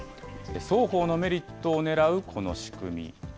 双方のメリットをねらうこの仕組み。